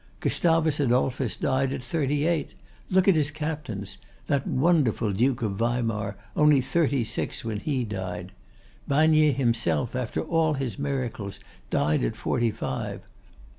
Gustavus Adolphus died at thirty eight. Look at his captains: that wonderful Duke of Weimar, only thirty six when he died. Banier himself, after all his miracles, died at forty five.